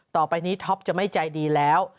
ต่อไปนี้ท็อปจะไม่ใจดีแล้ว